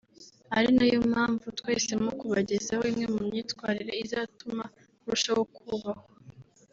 ari na yo mpamvu twahisemo kubagezaho imwe mu myitwarire izatuma urushaho kubahwa